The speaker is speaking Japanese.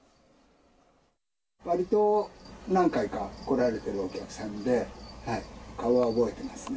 わりと何回か来られているお客さんで、顔は覚えていますね。